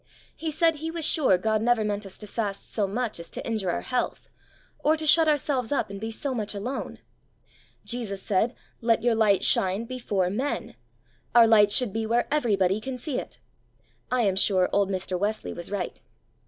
He said he was sure God never meant us to fast so much as to injure our health, or to shut ourselves up and be so much alone. Jesus said: "Let your light shine before men;" our light should be where everybody can see it. I am sure old Mr. Wesley was right.